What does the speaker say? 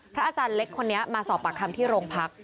อาจารย์เล็กคนนี้มาสอบปากคำที่โรงพัก